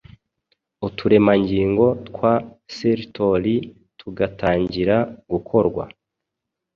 uturemangingo twa Sertoli tugatangira gukorwa